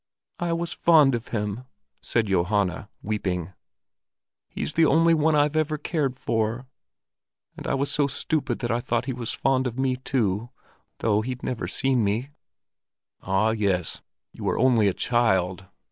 "I was fond of him," said Johanna, weeping. "He's the only one I've ever cared for. And I was so stupid that I thought he was fond of me too, though he'd never seen me." "Ah, yes; you were only a child!